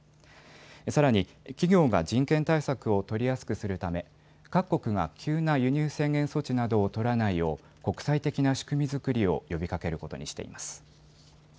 さらに企業が人権対策を取りやすくするため各国が急な輸入制限措置などを取らないよう国際的な仕組み作りを呼びかけることにしています。